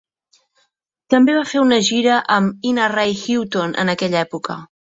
També va fer una gira amb Ina Ray Hutton en aquella època.